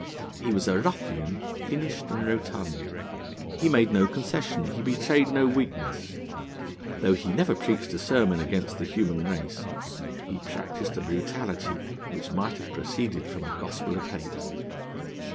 He was a ruffian finished and rotund; he made no concession, he betrayed no weakness. Though he never preached a sermon against the human race, he practised a brutality which might have proceeded from a gospel of hate.